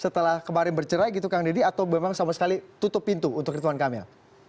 setelah kemarin bercerai gitu kang deddy atau memang sama sekali tutup pintu untuk ridwan kamil